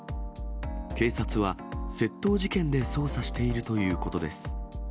警察は窃盗事件で捜査しているということです。